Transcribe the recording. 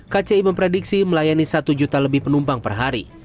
kci memprediksi melayani satu juta lebih penumpang per hari